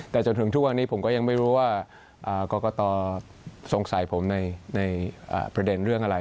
แต่จนถึงทุกวันนี้ผมก็ยังไม่รู้ว่ากรกตสงสัยผมในประเด็นเรื่องอะไร